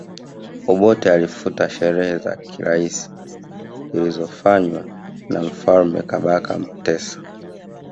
Obote alifuta sherehe za kiraisi zilizofanywa na Mfalme Kabaka Mutesa